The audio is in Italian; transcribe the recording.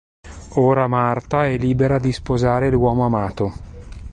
Ora Marta è libera di sposare l'uomo amato.